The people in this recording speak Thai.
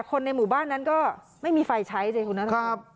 คนในหมู่บ้านนั้นก็ไม่มีไฟใช้ใจคุณนะครับครับ